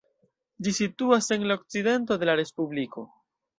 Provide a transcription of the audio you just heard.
Ĝi situas en la okcidento de la respubliko.